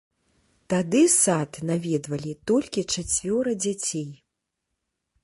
Тады сад наведвалі толькі чацвёра дзяцей.